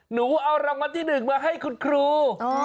หนูเอารางวัลที่๑มาให้คุณครู